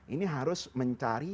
ini harus mencari